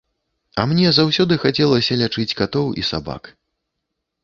А мне заўсёды хацелася лячыць катоў і сабак.